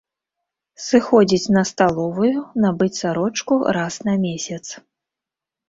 Сыходзіць на сталовую, набыць сарочку раз на месяц.